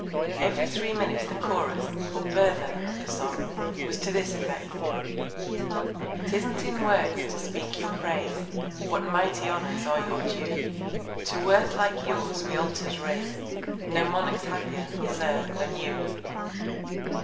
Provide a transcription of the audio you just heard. Every three Minutes the Chorus, or Burthen of the Song, was to this Effect. _Tisn't in Words to speak your Praise; What mighty Honours are your Due! To worth like yours we Altars raise, No Monarch's happier, Sir, than you.